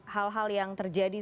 hal hal yang terjadi